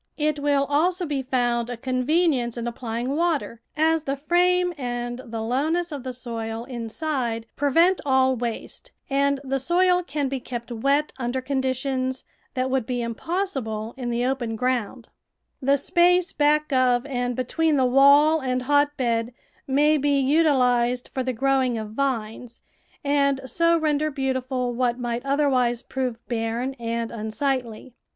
It will also be found a con venience in applying water, as the frame and the lowness of the soil inside prevent all waste, and the soil can be kept wet under conditions that would be impossible in the open ground. CONSTRUCTION AND CARE OF HOTBEDS The space back of and between the Avail and hotbed may be utilised for the growing of vines, and so render beautiful what might otherwise prove barren and unsightly.